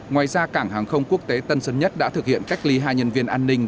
ngoài ra cảng hàng không quốc tế tân sơn nhất đã thực hiện cách ly hai nhân viên an ninh